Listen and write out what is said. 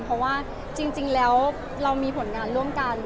เพราะว่าจริงแล้วเรามีผลงานร่วมกัน